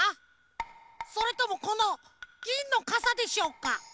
それともこのぎんのかさでしょうか？